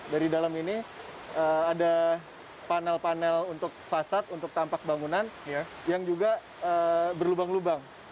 dari dalam ini ada panel panel untuk fasad untuk tampak bangunan yang juga berlubang lubang